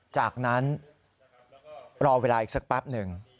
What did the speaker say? จากนั้นรอเวลาอีกสักแป๊บหนึ่ง